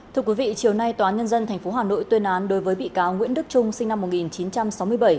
thưa quý vị chiều nay tòa nhân dân tp hà nội tuyên án đối với bị cáo nguyễn đức trung sinh năm một nghìn chín trăm sáu mươi bảy